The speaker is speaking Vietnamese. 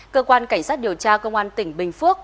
cơ quan cảnh sát điều tra công an tỉnh bình phước